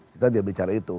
kita tidak bicara itu